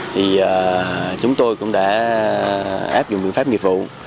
thì chúng tôi cũng đã áp dụng biện pháp nghiệp vụ